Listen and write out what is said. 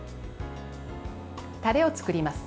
タレを作ります。